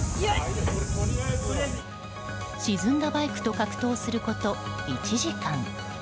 沈んだバイクと格闘すること１時間。